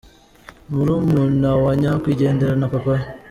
Murumuna wa Nyakwigendera na Papa we.